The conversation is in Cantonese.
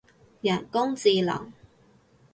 人工智能